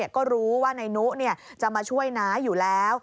ก็รู้ว่านายนุจะมาช่วยน้าอยู่แล้ว